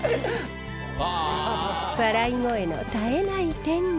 笑い声の絶えない店内。